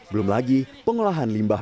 belum lagi pengolahan limbah